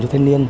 cho thanh niên